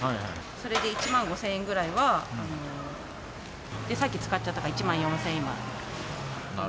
それで１万５０００円ぐらいは、さっき使っちゃったから１万４０００円、今。